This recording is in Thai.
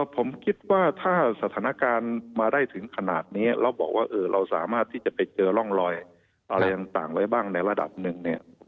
ผมคิดว่าถ้าสถานการณ์มาได้ถึงขนาดนี้แล้วบอกว่าเราสามารถที่จะไปเจอร่องรอยอะไรต่างไว้บ้างในระดับหนึ่งเนี่ย